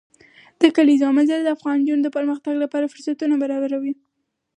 د کلیزو منظره د افغان نجونو د پرمختګ لپاره فرصتونه برابروي.